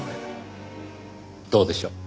どうでしょう？